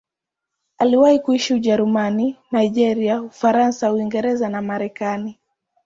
Aliwahi kuishi Ujerumani, Nigeria, Ufaransa, Uingereza na Marekani.